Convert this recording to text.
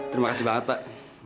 terima kasih banget pak